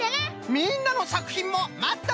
みんなのさくひんもまっとるぞい！